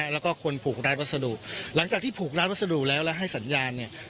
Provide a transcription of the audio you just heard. แล้วก็คนผูกร้านวัสดุหลังจากที่ผูกร้านวัสดุแล้วแล้วให้สัญญาณเนี่ย